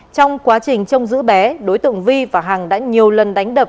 trong quá trình trông giữ bé đối tượng vi và hằng đã nhiều lần đánh đập